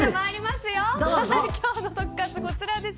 今日のトク活こちらです。